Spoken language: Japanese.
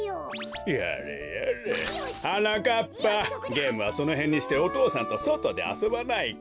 ゲームはそのへんにしてお父さんとそとであそばないか？